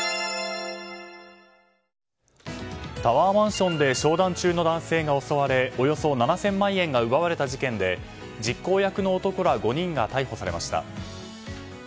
タワーマンションで商談中の男性が襲われおよそ７０００万円が奪われた事件で実行役の男ら５人が逮捕されました。